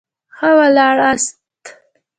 ښه ولاړاست.